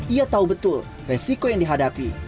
ia tahu betul resiko yang dihadapi